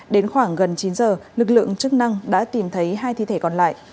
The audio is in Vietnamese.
đến khoảng gần chín giờ lực lượng chức năng đã tìm thấy hai thi thể còn lại